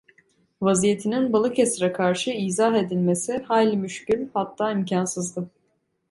Vaziyetinin Balıkesir’e karşı izah edilmesi hayli müşkül, hatta imkânsızdı.